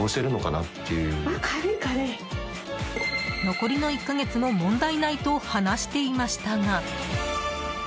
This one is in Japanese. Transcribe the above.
残りの１か月も問題ないと話していましたが。